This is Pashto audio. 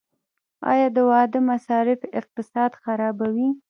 آیا د واده مصارف اقتصاد خرابوي؟